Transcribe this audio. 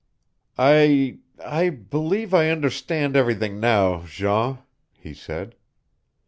"I I believe I understand everything now, Jean," he said.